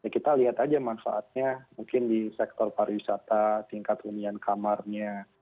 kita lihat aja manfaatnya mungkin di sektor pariwisata tingkat hunian kamarnya